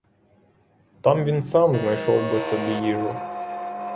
Там він сам знайшов би собі їжу.